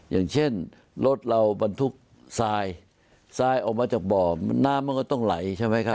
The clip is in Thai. อย่างเช่นรถเราบรรทุกทรายทรายออกมาจากบ่อน้ำมันก็ต้องไหลใช่ไหมครับ